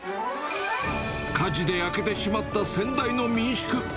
火事で焼けてしまった先代の民宿。